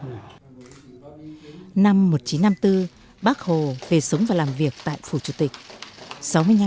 năm một nghìn chín trăm năm mươi bốn bác hồ về sống và làm việc tại phủ chủ tịch